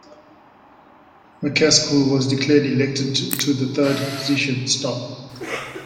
McAskill was declared elected to the third position.